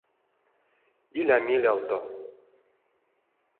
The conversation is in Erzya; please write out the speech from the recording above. Иля мелявто!